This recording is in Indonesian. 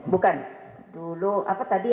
bukan dulu apa tadi